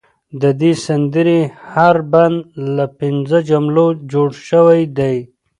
د دې سندرې هر بند له پنځو جملو جوړ شوی دی.